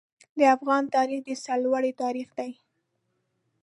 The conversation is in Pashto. د افغان تاریخ د سرلوړۍ تاریخ دی.